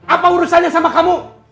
apa urusannya sama kamu